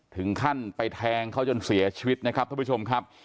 ถึงขั้นไปแทงเขาจนเสียชีวิตนะครับท่านผู้ชมครับ